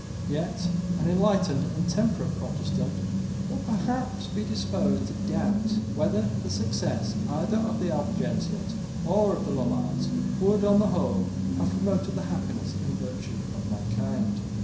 Yet an enlightened and temperate Protestant will perhaps be disposed to doubt whether the success, either of the Albigensians or of the Lollards, would, on the whole, have promoted the happiness and virtue of mankind.